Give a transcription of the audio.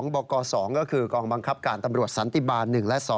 บก๒ก็คือกองบังคับการตำรวจสันติบาล๑และ๒